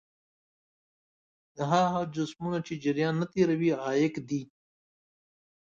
هغه جسمونه چې جریان نه تیروي عایق دي.